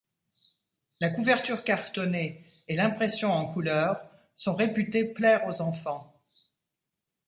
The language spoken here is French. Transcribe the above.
La couverture cartonnée et l'impression en couleur sont réputées plaire aux enfants.